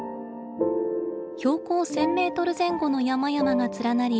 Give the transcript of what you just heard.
標高１，０００メートル前後の山々が連なり